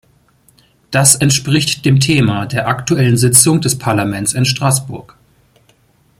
Das entspricht dem Thema der aktuellen Sitzung des Parlaments in Straßburg.